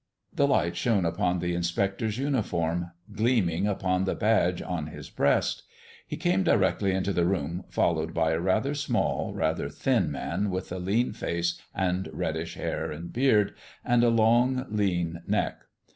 The light shone upon the inspector's uniform, gleaming upon the badge on his breast. He came directly into the room followed by a rather small, rather thin man, with a lean face and reddish hair and beard, and a long, lean neck.